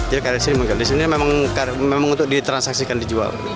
jadi karya seni mungkin di sini memang untuk ditransaksikan di jual